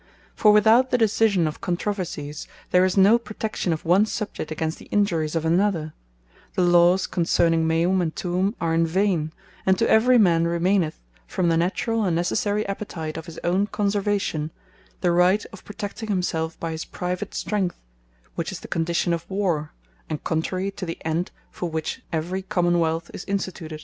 For without the decision of Controversies, there is no protection of one Subject, against the injuries of another; the Lawes concerning Meum and Tuum are in vaine; and to every man remaineth, from the naturall and necessary appetite of his own conservation, the right of protecting himselfe by his private strength, which is the condition of Warre; and contrary to the end for which every Common wealth is instituted.